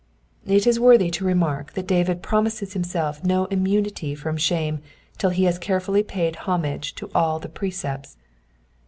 It is worthy of remark that David promises himself no immunity from shame till he has carefully paid homage to all the precepts.